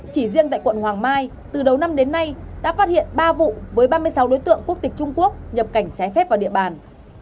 chỉ riêng tại quận hoàng mai từ đầu năm đến nay đã phát hiện ba vụ với ba mươi sáu đối tượng quốc tịch trung quốc nhập cảnh trái phép vào địa bàn